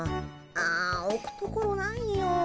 あおくところないよ。